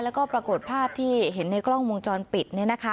แล้วก็ปรากฏภาพที่เห็นในกล้องวงจรปิด